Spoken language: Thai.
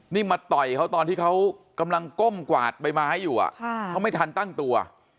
นี่มาต่อยเขาตอนที่เขากำลังก้มกวาดใบไม้อยู่เขาไม่ทันตั้งตัว